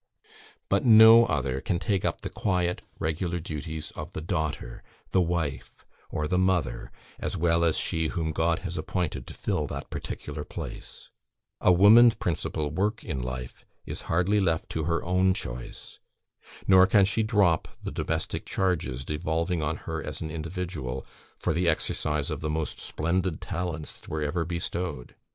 But no other can take up the quiet, regular duties of the daughter, the wife, or the mother, as well as she whom God has appointed to fill that particular place: a woman's principal work in life is hardly left to her own choice; nor can she drop the domestic charges devolving on her as an individual, for the exercise of the most splendid talents that were ever bestowed.